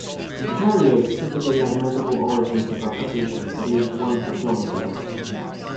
Eukaryotes typically have multiple origins of replication; at least one per chromosome.